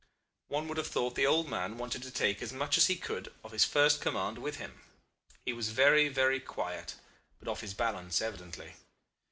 One would have thought the old man wanted to take as much as he could of his first command with him. He was very very quiet, but off his balance evidently.